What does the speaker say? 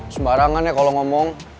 sembarangan ya kalau ngomong